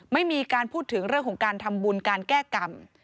ไม่มีการพูดถึงเรื่องของการทำบุญการแก้กรรม